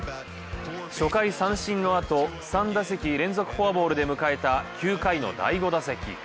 初回三振のあと、三打席連続フォアボールで迎えた９回の第５打席。